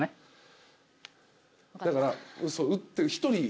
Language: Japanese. だから打って１人。